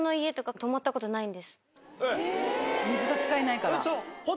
水が使えないから。